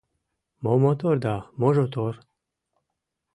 Мо мотор да можо тор?